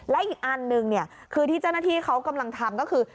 และอีกอันหนึ่งคือที่เจ้าหน้าที่เขากำลังทำก็คือ